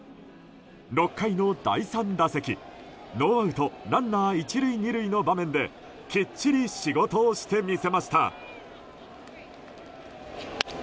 ６回の第３打席ノーアウトランナー１塁２塁の場面できっちり仕事をして見せました。